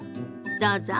どうぞ。